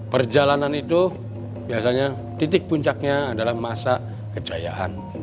perjalanan itu biasanya titik puncaknya adalah masa kejayaan